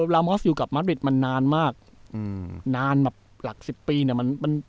ลามอสอยู่กับมาดริตมันนานมากอืมนานแบบหลักสิบปีเนี่ยมันมัน